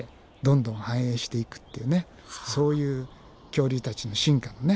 そういう恐竜たちの進化のね。